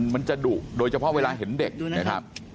มันจะดุโดยเฉพาะเวลาเห็นเด็ก